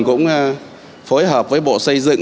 cũng phối hợp với bộ xây dựng